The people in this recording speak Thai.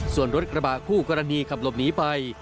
ส่วนรถกระบะคู่กรณีขับหลบหนีไป